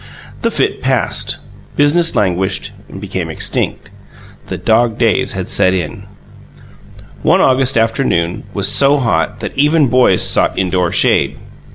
The fit passed: business languished; became extinct. The dog days had set in. One August afternoon was so hot that even boys sought indoor shade.